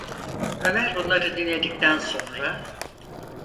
Ömer bunları dinledikten sonra: